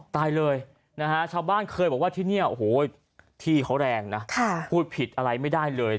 ตายเลยนะฮะชาวบ้านเคยบอกว่าที่นี่โอ้โหที่เขาแรงนะพูดผิดอะไรไม่ได้เลย